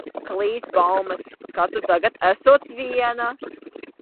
Klīst baumas, ka tu tagad esot viena.